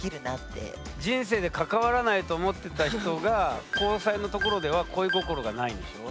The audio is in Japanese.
人生で関わらないと思ってた人が交際のところでは恋心がないんでしょ。